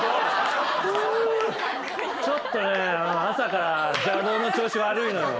ちょっとね朝から「邪道」の調子悪いのよ。